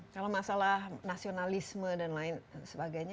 kalau masalah nasionalisme dan lain sebagainya